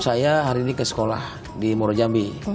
saya hari ini ke sekolah di muarajambi